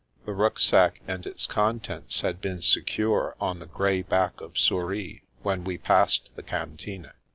the rucksack and its contents had been secure on the grey back of Souris when we passed the Cantine.